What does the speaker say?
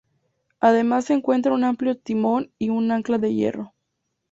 Además se encuentra un amplio timón y un ancla de hierro.